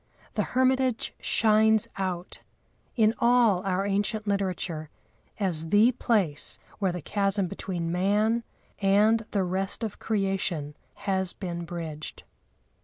The hermitage shines out, in all our ancient literature, as the place where the chasm between man and the rest of creation has been bridged.